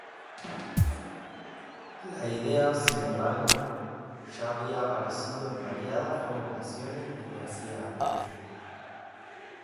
La idea sin embargo ya había aparecido en variadas formulaciones desde hacía años.